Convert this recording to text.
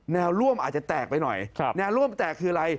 แนวร่วมอาจจะแตกไปหน่อยแนวร่วมแตกคืออะไร